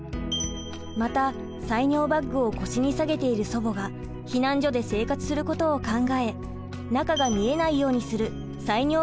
また採尿バッグを腰に下げている祖母が避難所で生活することを考え中が見えないようにする採尿